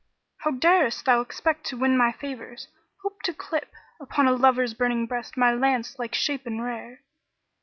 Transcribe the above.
How darest thou expect to win my favours, hope to clip * Upon a lover's burning breast my lance like shape and rare?